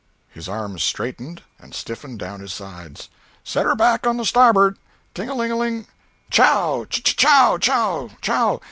His arms straightened and stiffened down his sides. "Set her back on the stabboard! Ting a ling ling! Chow! ch chow wow! Chow!"